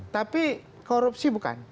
tapi korupsi bukan